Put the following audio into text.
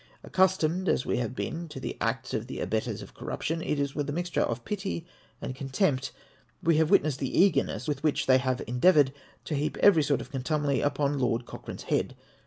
Accustomed as we have been to the acts of the abettors of corruption, it is with a mixture of pity and con tempt we have witnessed the eagerness with which they have endeavoured to heap every sort of contumely upon Lord Cochrane's head.